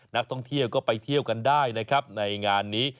นักท่องเที่ยวก็ไปเที่ยวกันได้นะครับในงานนี้